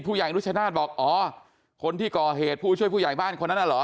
นุชนาธิ์บอกอ๋อคนที่ก่อเหตุผู้ช่วยผู้ใหญ่บ้านคนนั้นน่ะเหรอ